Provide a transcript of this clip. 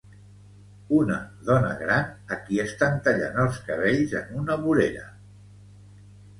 una dona gran a qui estan tallant els cabells en una vorera.